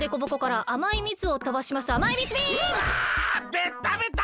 ベッタベタ！